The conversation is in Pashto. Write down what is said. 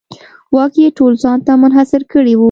واک یې ټول ځان ته منحصر کړی و.